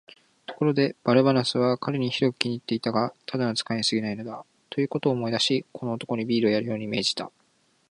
ところで、バルナバスは彼にひどく気に入ってはいたが、ただの使いにすぎないのだ、ということを思い出し、この男にビールをやるように命じた。